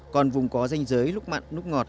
còn vùng có danh giới lúc mặn nút ngọt